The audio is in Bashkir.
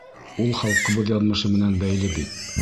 Ул халҡыбыҙ яҙмышы менән бәйле бит.